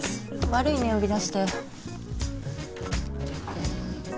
悪いね呼び出して。